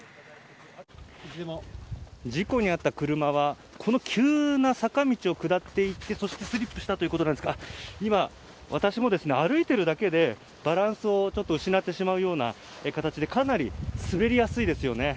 事故に遭った車はこの急な坂道を下っていってそしてスリップしたということですが今、私も歩いているだけでバランスを失ってしまうような形でかなり滑りやすいですよね。